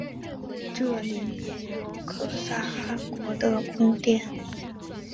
这里也有可萨汗国的宫殿。